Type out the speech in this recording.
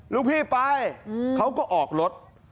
ลูกพี่ไปเขาก็ออกรถ